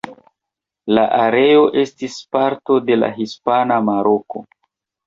La areo estis parto de la Hispana Maroko.